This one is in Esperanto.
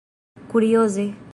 kurioze